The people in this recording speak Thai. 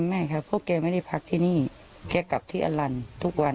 ไม่ครับเพราะแกไม่ได้พักที่นี่แกกลับที่อลันทุกวัน